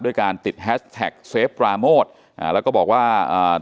การติดแฮชแท็กเซฟปราโมทอ่าแล้วก็บอกว่าอ่า